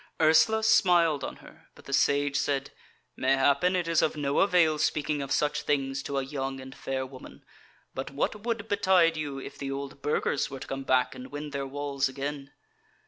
Ursula smiled on her, but the Sage said: "Mayhappen it is of no avail speaking of such things to a young and fair woman; but what would betide you if the old Burgers were to come back and win their walls again?"